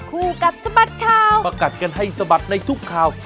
คู่กัดสะบัดข่าวประกัดกันให้สะบัดในทุกข่าว